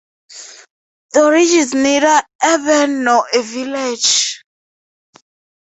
Dorridge is neither urban nor a village.